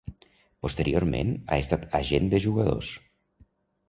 Posteriorment, ha estat agent de jugadors.